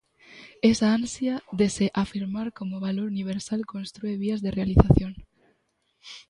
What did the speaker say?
Esa ansia de se afirmar como valor universal constrúe vías de realización.